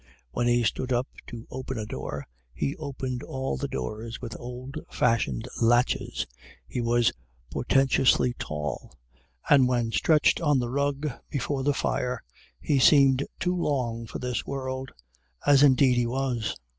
When he stood up to open a door he opened all the doors with old fashioned latches he was portentously tall, and when stretched on the rug before the fire he seemed too long for this world as indeed he was.